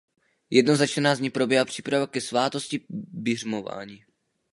Jednou za čtrnáct dní probíhá příprava ke svátosti biřmování.